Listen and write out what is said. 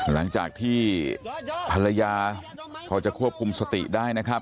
หลังจากที่ภรรยาพอจะควบคุมสติได้นะครับ